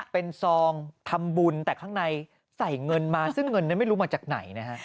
เป็นซองทำบุญแต่ข้างในใส่เงินมาซึ่งเงินนั้นไม่รู้มาจากไหนนะฮะ